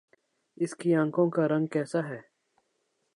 اس کی آنکھوں کا رنگ کیسا ہے